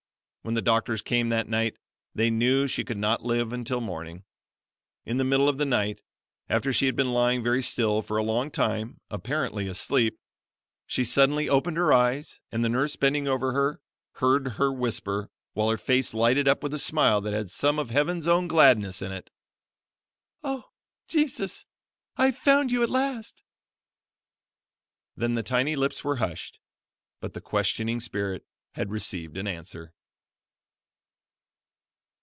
When the doctors came that night, they knew she could not live until morning. In the middle of the night, after she had been lying very still for a long time, apparently asleep, she suddenly opened her eyes and the nurse, bending over her, heard her whisper, while her face lighted up with a smile that had some of heaven's own gladness in it: "Oh, Jesus, I have found you at last!" Then the tiny lips were hushed, but the questioning spirit had received an answer.